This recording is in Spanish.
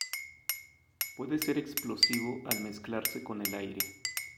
Puede ser explosivo al mezclarse con el aire.